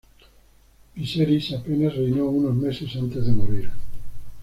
Viserys apenas reinó unos meses antes de morir.